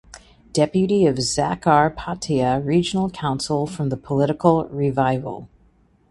Deputy of Zakarpattia Regional Council from the political ‘Revival’.